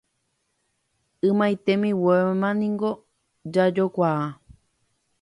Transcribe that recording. Ymaite guivéma niko jajokuaa.